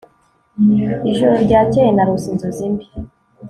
ijoro ryakeye narose inzozi mbi